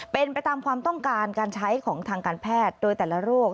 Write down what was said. เป็นไปตามความต้องการการใช้ของทางการแพทย์โดยแต่ละโรค